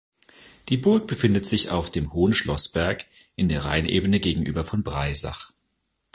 Die Burg befindet sich auf dem hohen Schlossberg in der Rheinebene gegenüber von Breisach.